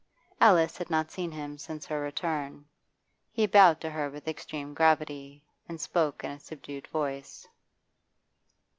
Alice had not seen him since her return. He bowed to her with extreme gravity, and spoke in a subdued voice.